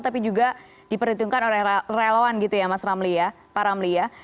tapi juga diperhitungkan oleh relawan gitu ya mas ramli ya pak ramli ya